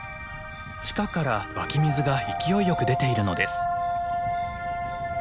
地下から湧き水が勢いよく出ているのです。